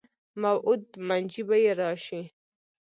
موعود منجي به یې راشي.